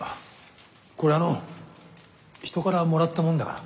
これあの人からもらったもんだから。